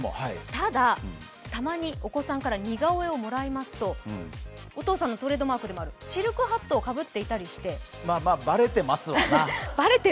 ただ、たまにお子さんから似顔絵をもらいますとお父さんのトレードマークでもあシルクハットをかぶっていたりで、バレてますわな。